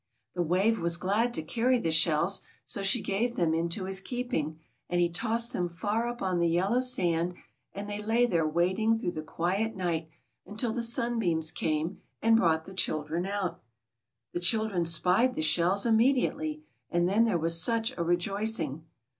The wave was glad to carry the shells, so she gave them into his keeping; and he tossed them far up on the yellow sand and they lay there waiting through the quiet night until the sunbeams came and brought the children out. The children spied the shells immediately, and then there was such a rejoicing.